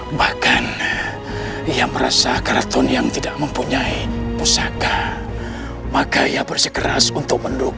hai bahkan engkau merasa keraton yang tidak mempunyai pusaka maka ia bersekeras untuk menurunkan